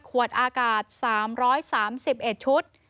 ขวดอากาศ๓๓๑ชุด